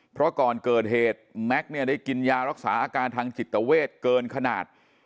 เพราะก่อนเกิดเหตุแม็กซ์เนี่ยได้กินยารักษาอาการทางจิตเวทเกินขนาด